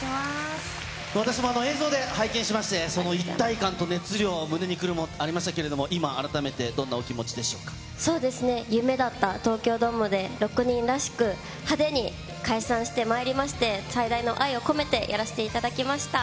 私も映像で拝見しまして、その一体感と熱量、胸に来るものありましたけれども、今、改めてどんなお気持ちでしょそうですね、夢だった東京ドームで、６人らしく、派手に解散してまいりまして、最大の愛を込めてやらせていただきました。